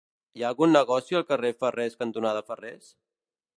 Hi ha algun negoci al carrer Ferrers cantonada Ferrers?